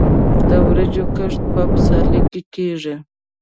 د وریجو کښت په پسرلي کې کیږي.